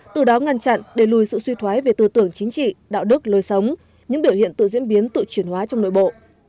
từ đó ngăn chặn đề lùi sự suy thoái về tư tưởng chính trị đạo đức lối sống những biểu hiện tự diễn biến tự chuyển hóa trong nội bộ